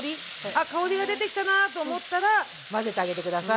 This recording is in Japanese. あっ香りが出てきたなと思ったら混ぜてあげて下さい。